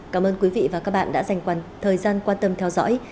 cảm ơn quý vị và các bạn đã dành quần thời gian quan tâm theo dõi